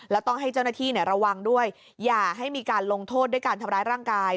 แล้วต้องให้เจ้าหน้าที่ระวังด้วยอย่าให้มีการลงโทษด้วยการทำร้ายร่างกาย